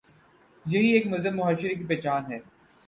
یہی ایک مہذب معاشرے کی پہچان ہے۔